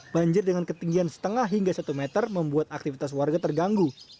banjir dengan ketinggian setengah hingga satu meter membuat aktivitas warga terganggu